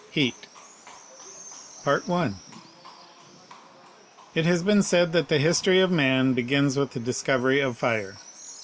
CHAPTER III It has been said that the history of man begins with the discovery of fire.